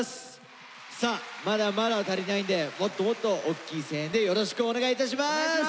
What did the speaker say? さあまだまだ足りないんでもっともっと大きい声援でよろしくお願いいたします。